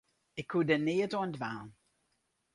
Ik koe der neat oan dwaan.